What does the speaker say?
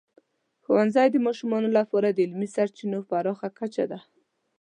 ښوونځی د ماشومانو لپاره د علمي سرچینو پراخه کچه ده.